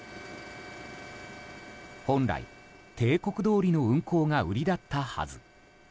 本来、定刻どおりの運行が売りだったはず。